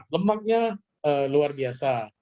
lemaknya luar biasa